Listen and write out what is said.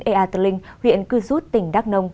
ea tờ linh huyện cư rút tỉnh đắk nông